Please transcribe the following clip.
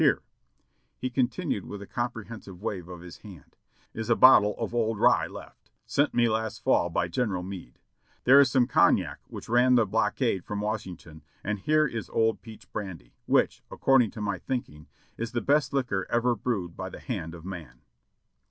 Here," he continued with a comprehensive wave of his hand, "is a bottle of old rye left, sent me last fall by General Meade. There is some Cognac which ran the blockade from Washington, and here is old peach brandy, which, according to my thinking, is the best liquor ever brewed by the hand of man."